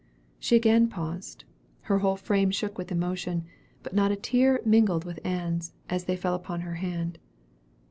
She again paused. Her whole frame shook with emotion; but not a tear mingled with Ann's, as they fell upon her hand.